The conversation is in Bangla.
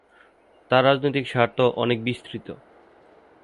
তার রাজনৈতিক স্বার্থ অনেক বিস্তৃত।